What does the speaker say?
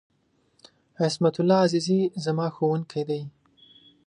عصمت الله عزیزي ، زما ښوونکی دی.